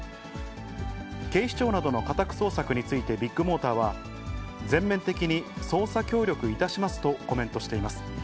警視庁などの家宅捜索についてビッグモーターは、全面的に捜査協力いたしますとコメントしています。